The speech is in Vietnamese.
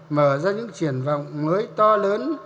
mở ra những triển vọng mới to lớn